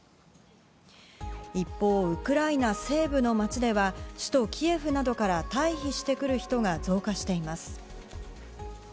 一方、ウクライナ西部の街では首都キエフなどから退避してくる人が増加しています。